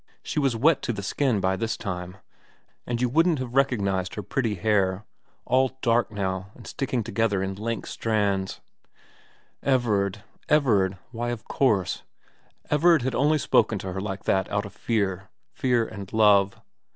She was wet to the skin by this time, and you wouldn't have recognised her 214 VERA XIX pretty hair, all dark now and sticking together in lank strands. Everard why, of course Everard had only spoken like that out of fear fear and love.